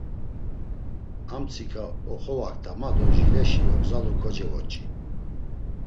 Amtsika oxovakta ma do jileşi ogzalu kocevoç̌i.